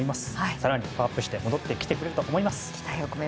更にパワーアップして戻ってきてくれると思います。